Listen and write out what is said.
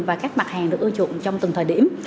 và các mặt hàng được ưa chuộng trong từng thời điểm